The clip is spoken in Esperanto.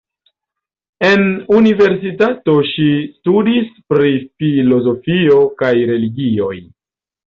En universitato ŝi studis pri filozofio kaj religioj.